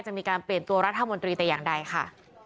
จะมีการเปลี่ยนตัวรัฐมนตรีแต่อย่างใดค่ะ